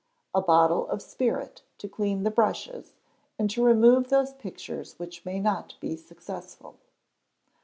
A bottle of spirit to clean the brushes, and to remove those pictures which may not be successful.